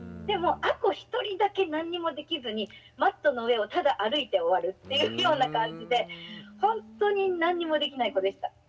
でも亜子一人だけ何もできずにマットの上をただ歩いて終わるっていうような感じでほんとに何もできない子でした。